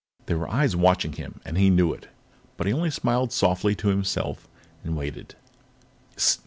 There were eyes watching him, and he knew it, but he only smiled softly to himself and waited.